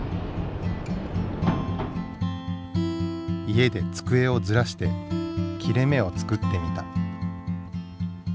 家で机をずらして切れ目を作ってみた。